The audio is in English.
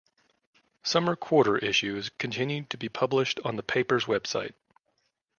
Summer Quarter issues continue to be published on the paper's website.